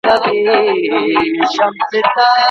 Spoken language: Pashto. ايا د مزاجونو توافق په پام کې نيول سوی دی؟